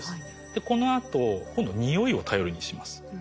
でこのあと今度匂いを頼りにします。